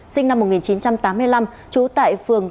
sinh năm một nghìn chín trăm tám mươi năm trú tại phường